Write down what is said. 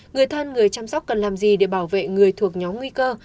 người thân người chăm sóc cần làm gì để bảo vệ người thuộc nhóm nguy cơ